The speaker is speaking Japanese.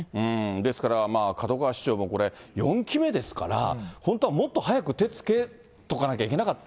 ですから門川市長もこれ、４期目ですから、本当はもっと早く手つけとかなきゃいけなかった。